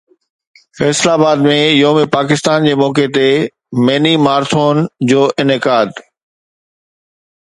فيصل آباد ۾ يوم پاڪستان جي موقعي تي ميني مارٿون جو انعقاد